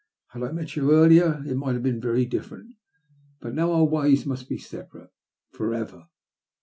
Had I met you earlier it might have been very different — but now our ways must be separate for ever.